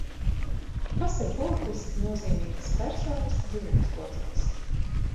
Kas ir politiski nozīmīgas personas ģimenes loceklis?